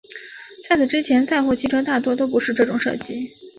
在此之前载货汽车大多都不是这种设计。